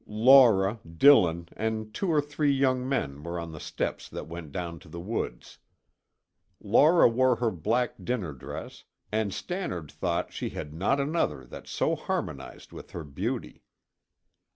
Laura, Dillon, and two or three young men were on the steps that went down to the woods. Laura wore her black dinner dress and Stannard thought she had not another that so harmonized with her beauty.